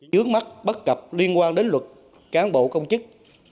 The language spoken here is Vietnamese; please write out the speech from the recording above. vướng mắt bất cập liên quan đến luật cán bộ công chức